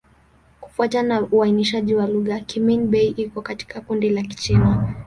Kufuatana na uainishaji wa lugha, Kimin-Bei iko katika kundi la Kichina.